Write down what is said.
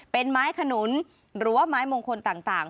เป็นไม้ขนุนหรือว่าไม้มงคลต่าง